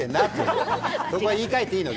そこは言い換えてもいいの！